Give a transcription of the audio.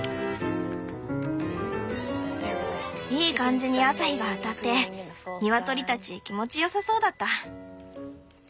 いい感じに朝日が当たってニワトリたち気持ちよさそうだった。